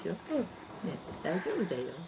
大丈夫だよ。